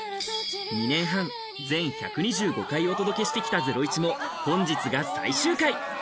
２年半、全１２５回お届けしてきた『ゼロイチ』も本日が最終回。